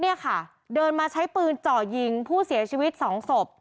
เนี่ยค่ะเดินมาใช้ปืนเจาะยิงผู้เสียชีวิตสองศพ